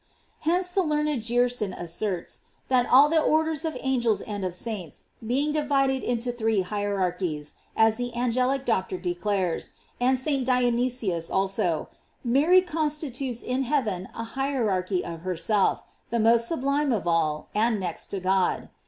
f Hence the learned Gerson asserts, that all the orders of angels and of saints being divided into three hierarchies, as the angelic Doctor de clares,J and St. Dionysius also, Mary consti tutes in heaven a hierarchy of herself, the most sublime of all, and next to God.